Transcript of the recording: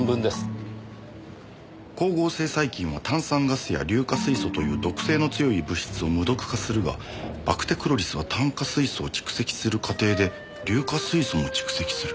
「光合成細菌は炭酸ガスや硫化水素という毒性の強い物質を無毒化するがバクテクロリスは炭化水素を蓄積する過程で硫化水素も蓄積する」